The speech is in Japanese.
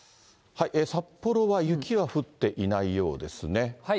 札幌は雪は降っていないようですね。